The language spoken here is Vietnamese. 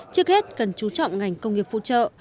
trước hết cần chú trọng ngành công nghiệp phụ trợ